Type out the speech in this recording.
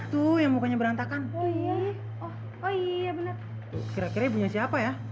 lihat ibu tuh itu yang mukanya berantakan oh iya oh iya bener kira kira punya siapa ya